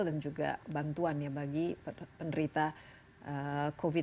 dan juga bantuan bagi penderita covid sembilan belas